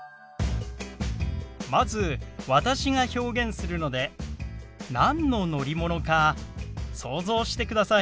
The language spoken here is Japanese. まず私が表現するので何の乗り物か想像してください。